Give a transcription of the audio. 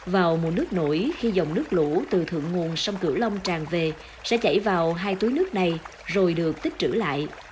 vào mùa nước nổi khi dòng nước lũ từ thượng nguồn sông cửu long tràn về sẽ chảy vào hai túi nước này rồi được tích trữ lại